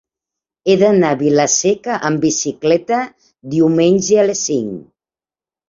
He d'anar a Vila-seca amb bicicleta diumenge a les cinc.